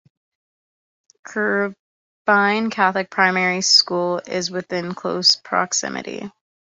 Currambine Catholic Primary School is within close proximity.